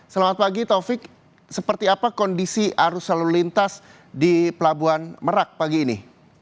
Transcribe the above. selamat pagi taufik seperti apa kondisi arus lalu lintas di pelabuhan merak pagi ini